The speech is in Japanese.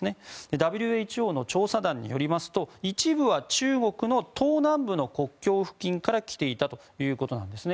ＷＨＯの調査団によりますと一部は中国の東南部の国境付近から来ていたということなんですね。